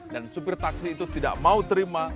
dan supir taksi itu tidak mau terima